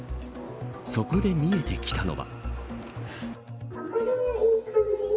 そこで見えてきたのは。